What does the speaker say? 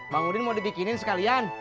bang udin mau dibikinin sekalian